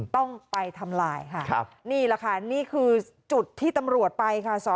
ต้องไปทำลายค่ะนี่แหละค่ะนี่คือจุดที่ตำรวจไปค่ะ